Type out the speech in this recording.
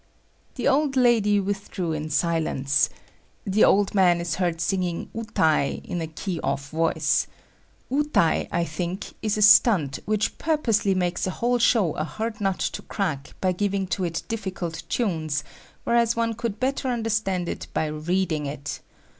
The old lady withdrew in silence. The old man is heard singing "utai" in the off key voice. "Utai," I think, is a stunt which purposely makes a whole show a hard nut to crack by giving to it difficult tunes, whereas one could better understand it by reading it.